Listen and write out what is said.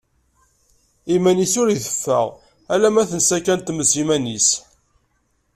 Iman-is ur iteffeɣ, alamma tensa kan tmes iman-is.